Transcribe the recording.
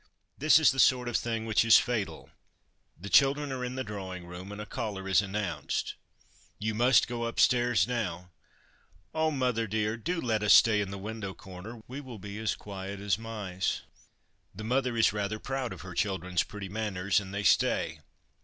This is the sort of thing which is fatal : The children are in the drawing room, and a caller is announced. 1 You must go upstairs now.' ' Oh, mother dear, do let us stay in the window corner ; we will be as quiet as mice !' The mother is rather proud of her children's pretty manners, and they stay.